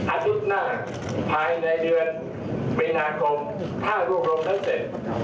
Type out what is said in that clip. อาทิตย์หน้าภายในเดือนเวนาคม๕ร่วงรมนั้นเสร็จ